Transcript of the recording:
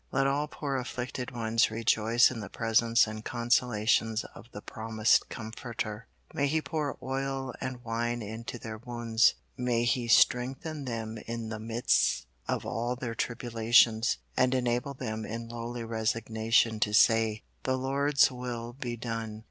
Let all poor afflicted ones rejoice in the presence and consolations of the promised Comforter; may He pour oil and wine into their wounds; may He strengthen them in the midst of all their tribulations, and enable them in lowly resignation to say, "The Lord's will be done."